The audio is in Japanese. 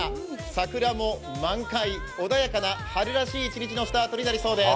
桜も満開、穏やかな春らしい一日のスタートになりそうです。